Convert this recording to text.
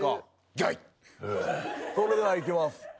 それではいきます。